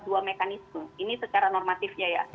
dua mekanisme ini secara normatifnya ya